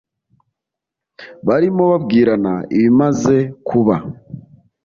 Barimo babwirana ibimaze kuba.